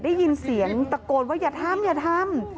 ได้ยินเสียงตะโกนว่าอย่าทำอย่าทำ